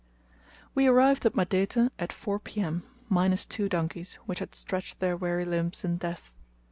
We arrived at Madete at 4 P.M., minus two donkeys, which had stretched their weary limbs in death.